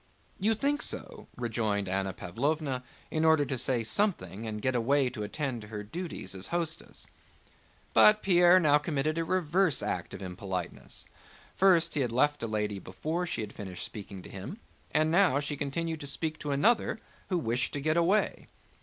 "You think so?" rejoined Anna Pávlovna in order to say something and get away to attend to her duties as hostess. But Pierre now committed a reverse act of impoliteness. First he had left a lady before she had finished speaking to him, and now he continued to speak to another who wished to get away.